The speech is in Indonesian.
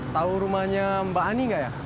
tahu rumahnya mbak ani gak ya